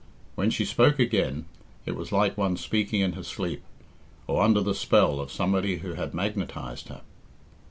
When she spoke again, it was like one speaking in her sleep, or under the spell of somebody who had magnetised her.